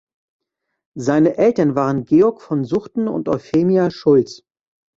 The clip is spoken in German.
Seine Eltern waren Georg von Suchten und Euphemia Schultz.